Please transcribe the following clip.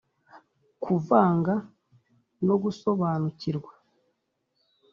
kuvanga no gusobanukirwa